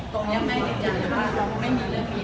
ตรงนี้แม่จริงว่าเราไม่มีเรื่องนี้